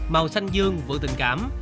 màu xanh dương vượng tình cảm